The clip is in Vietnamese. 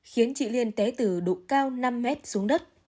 khiến chị liên té từ đục cao năm mét xuống đất